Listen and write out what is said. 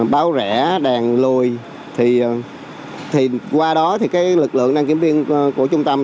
báo rẽ đèn lùi thì qua đó lực lượng đăng kiểm viên của trung tâm